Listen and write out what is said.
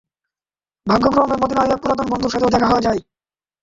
ভাগ্যক্রমে মদীনায় এক পুরাতন বন্ধুর সাথেও দেখা হয়ে যায়।